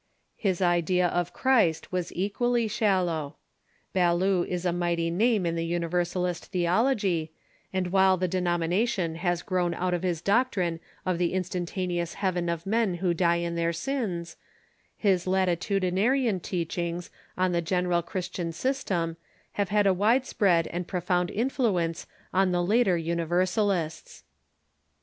His idea of Christ was equally shal low. Ballou is a mighty name in the Universalist theolog}', and while the denomination has grown out of his doctrine of the instantaneous heaven of men wdu) die in their sins, his THE UNIVERSALIST CnURCH 553 latitudinarian tcacliings on tlie genonil Cliristian system have had a wide spread and profound influence on the later Uni versalists.